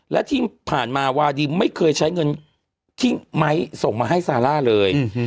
และที่ผ่านมาวาดิมไม่เคยใช้เงินที่ไม้ส่งมาให้ซาร่าเลย